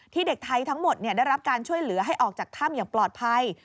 เด็กไทยทั้งหมดได้รับการช่วยเหลือให้ออกจากถ้ำอย่างปลอดภัย